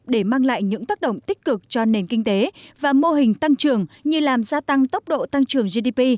để mang lại những tác động tích cực cho nền kinh tế và mô hình tăng trưởng như làm gia tăng tốc độ tăng trưởng gdp